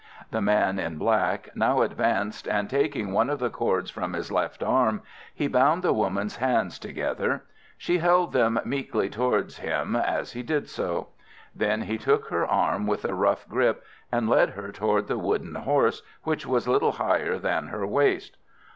The man in black now advanced, and taking one of the cords from his left arm, he bound the woman's hands together. She held them meekly toward him as he did so. Then he took her arm with a rough grip and led her toward the wooden horse, which was little higher than her waist.